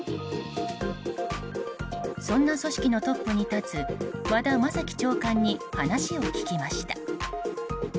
そんな組織のトップに立つ和田雅樹長官に話を聞きました。